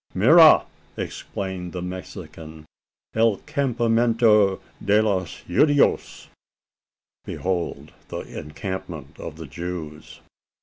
"Mira!" exclaimed the Mexican, "el campamento de los Judios!" (Behold! the encampment of the Jews!)